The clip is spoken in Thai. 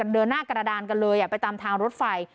เดินหน้ากระดานกันเลยไปตามทางรถไฟ